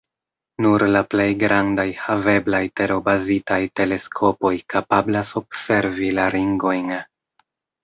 Nur la plej grandaj haveblaj tero-bazitaj teleskopoj kapablas observi la ringojn.